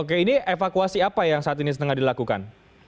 oke ini evakuasi apa yang saat ini sedang dilakukan